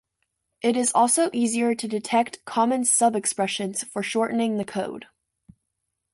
It is also easier to detect common sub-expressions for shortening the code.